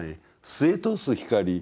すえ通す光。